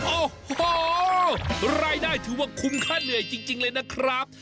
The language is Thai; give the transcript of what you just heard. โอ้โหรายได้ถือว่าคุ้มค่าเหนื่อยจริงเลยนะครับ